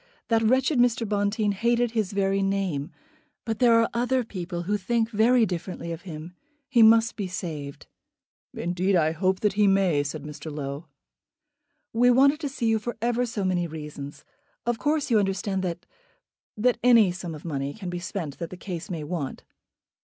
That wretched Mr. Bonteen hated his very name. But there are other people who think very differently of him. He must be saved." "Indeed I hope he may," said Mr. Low. "We wanted to see you for ever so many reasons. Of course you understand that that any sum of money can be spent that the case may want."